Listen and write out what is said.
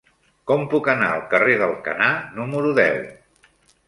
Com puc anar al carrer d'Alcanar número deu?